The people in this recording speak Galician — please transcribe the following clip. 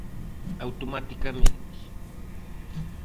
Automaticamente.